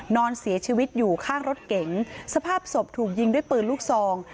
นอนเสียชีวิตอยู่ข้างรถเก๋งสภาพศพถูกยิงด้วยปืนลูกซอง